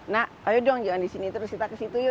nah ayo dong jangan disini terus kita kesitu yuk